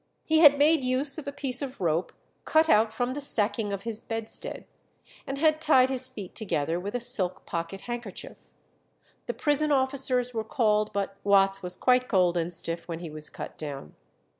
He had made use of a piece of rope cut out from the sacking of his bedstead, and had tied his feet together with a silk pocket handkerchief. The prison officers were called, but Watts was quite cold and stiff when he was cut down.